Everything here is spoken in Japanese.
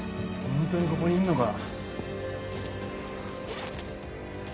ホントにここにいんのか？